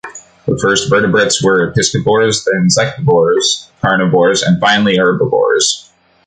The first vertebrates were piscivores, then insectivores, carnivores and finally herbivores.